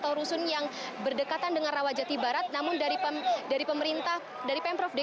saya juga berhasil mengasumkan bahwa ini memang berupakan tindakan penggusuran